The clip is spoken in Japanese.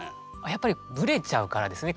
やっぱりぶれちゃうからですね